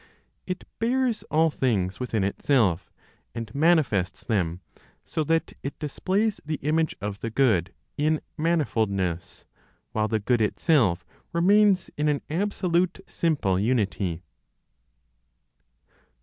It bears all things within itself, and manifests them, so that it displays the image of the Good in manifoldness, while the Good itself remains in an absolute simple unity.